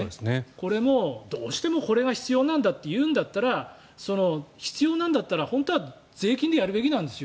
これも、どうしてもこれが必要なんだというんだったら必要なんだったら本当は税金でやるべきなんです。